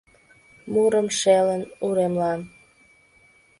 Мурым шелын уремлан.